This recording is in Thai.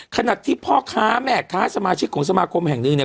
ขณะที่พ่อค้าแม่ค้าสมาชิกของสมาคมแห่งหนึ่งเนี่ย